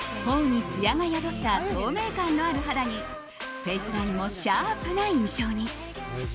頬につやが宿った透明感のある肌にフェイスラインもシャープな印象に。